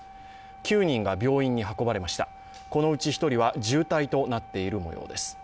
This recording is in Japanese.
９人が病院に運ばれました、このうち１人は重体となっているもようです。